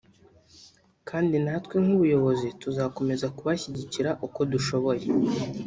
kandi natwe nk’ubuyobozi tuzakomeza kubashyigikira uko dushoboye”